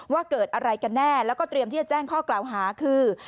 ว่าเกิดอะไรกันแน่แล้วก็เตรียมที่จะแจ้งข้อกล่าวหาคือ